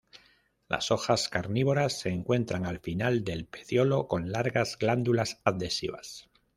Las hojas carnívoras se encuentran al final del pecíolo con largas glándulas adhesivas.